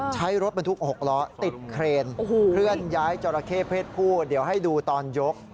ใช้รถบรรทุก๖ล้อติดเครนเคลื่อนย้ายจราเข้เพศผู้เดี๋ยวให้ดูตอนยก